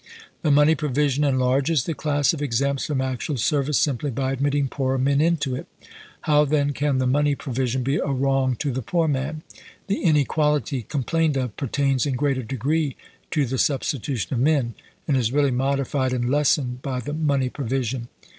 The money provision enlarges the class of exempts from actual service simply by admitting poorer men into it. How then can the money THE LINCOLN SEYMOUR CORRESPONDENCE 55 provision be a wrong to the poor man ? The in chap. ii. equality complained of pertains in greater degree to the substitution of men, and is really modified and lessened by the money provision.